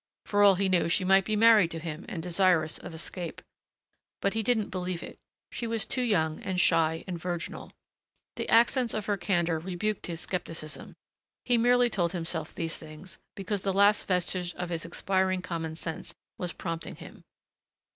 For all he knew she might be married to him and desirous of escape. But he didn't believe it. She was too young and shy and virginal. The accents of her candor rebuked his skepticism. He merely told himself these things because the last vestige of his expiring common sense was prompting him.